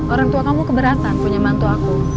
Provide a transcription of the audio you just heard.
orang tua kamu keberatan punya mantu aku